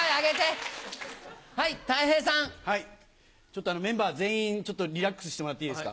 ちょっとメンバー全員リラックスしてもらっていいですか？